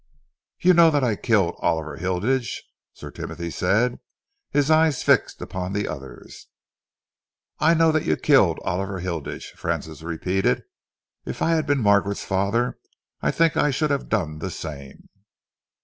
"You know that I killed Oliver Hilditch?" Sir Timothy said, his eyes fixed upon the other's. "I know that you killed Oliver Hilditch," Francis repeated. "If I had been Margaret's father, I think that I should have done the same."